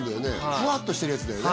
フワっとしてるやつだよね